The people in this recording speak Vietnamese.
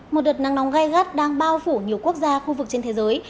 một đợt nắng nóng gai gắt đang bao phủ nhiều quốc gia khu vực trên thế giới